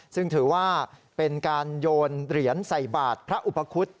ซึ่งถือว่าเป็นการโยนเหรียญใส่บาทพระอุปคุฎ